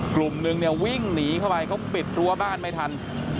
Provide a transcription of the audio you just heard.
กลุ่มนึงเนี่ยวิ่งหนีเข้าไปเขาปิดรั้วบ้านไม่ทัน